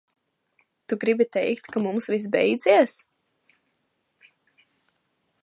Tu gribi teikt, ka mums viss beidzies?